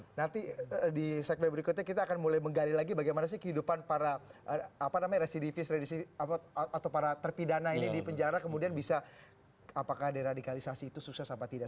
oke nanti di segmen berikutnya kita akan mulai menggali lagi bagaimana sih kehidupan para residivis atau para terpidana ini di penjara kemudian bisa apakah deradikalisasi itu sukses apa tidak